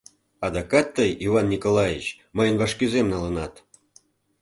Адакат тый, Иван Николаич, мыйын вашкӱзем налынат?